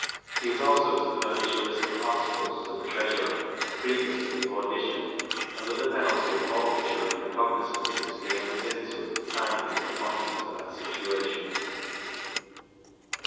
He is also to furnish a list of articles to the treasurer, previous to the auction, under the penalty of forfeiture of recognizances he enters into at the time he is appointed to that situation.